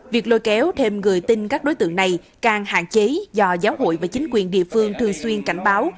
việc lôi kéo thêm người tin các đối tượng này càng hạn chế do giáo hội và chính quyền địa phương thường xuyên cảnh báo